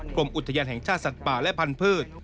กรมอุทยานแห่งชาติสัตว์ป่าและพันธุ์